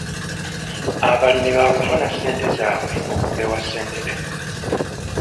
Abalimi baakufuna ssente zaabwe okuva ewa ssentebe.